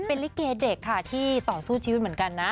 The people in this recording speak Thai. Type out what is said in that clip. เป็นลิเกเด็กค่ะที่ต่อสู้ชีวิตเหมือนกันนะ